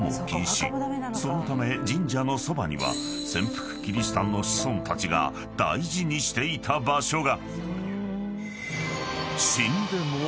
［そのため神社のそばには潜伏キリシタンの子孫たちが大事にしていた場所が］